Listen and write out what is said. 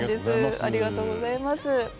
ありがとうございます。